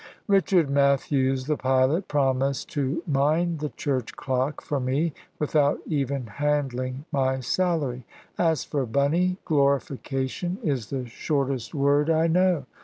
Richard Matthews, the pilot, promised to mind the church clock for me, without even handling my salary. As for Bunny, glorification is the shortest word I know.